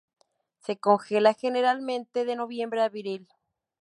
Se congela generalmente de noviembre a abril.